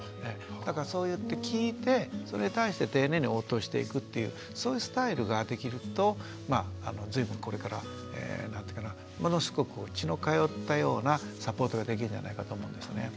だからそう言って聞いてそれに対して丁寧に応答していくっていうそういうスタイルができると随分これからものすごく血の通ったようなサポートができるんじゃないかと思うんですね。